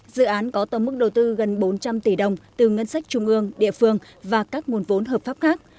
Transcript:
dự án có tầm mức đầu tư gần bốn trăm linh tỷ đồng từ ngân sách trung ương địa phương và các nguồn vốn hợp pháp khác